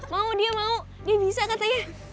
mau dia mau dia bisa katanya